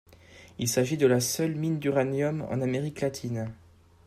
Il s'agit de la seule mine d'uranium en Amérique Latine.